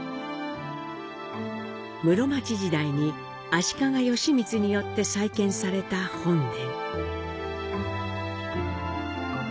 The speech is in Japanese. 室町時代に足利義満によって再建された本殿。